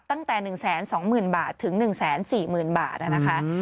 ตั้งแต่๑๒๐๐๐๐บาทถึง๑๔๐๐๐๐บาท